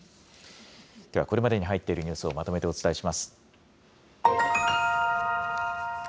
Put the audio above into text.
ではこれまでに入っているニュースをまとめてお伝えします。